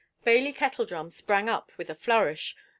Bailey Kettledrum sprang up with a flourish.